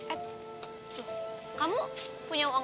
eh kamu punya uang berapa